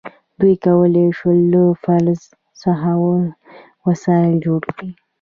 دوی وکولی شول له فلز څخه وسایل جوړ کړي.